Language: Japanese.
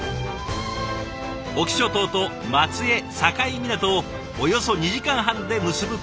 隠岐諸島と松江境港をおよそ２時間半で結ぶこの船。